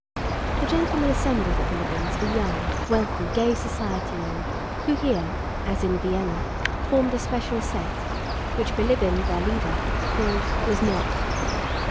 The gentlemen assembled at Bilíbin's were young, wealthy, gay society men, who here, as in Vienna, formed a special set which Bilíbin, their leader, called les nôtres.